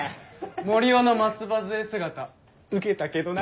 森生の松葉杖姿ウケたけどな。